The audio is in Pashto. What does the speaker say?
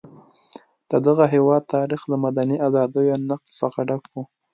د دغه هېواد تاریخ له مدني ازادیو نقض څخه ډک دی.